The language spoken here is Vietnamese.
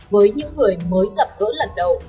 với những người mới gặp gỡ lần đầu